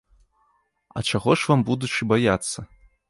А чаго ж вам, будучы, баяцца?